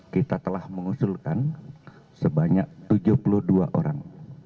kita telah mengusulkan sebanyak tujuh puluh dua orang